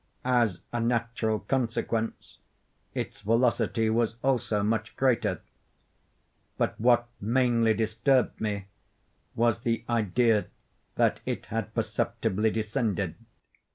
As a natural consequence, its velocity was also much greater. But what mainly disturbed me was the idea that had perceptibly descended.